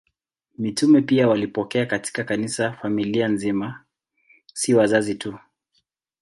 Mitume pia walipokea katika Kanisa familia nzima, si wazazi tu.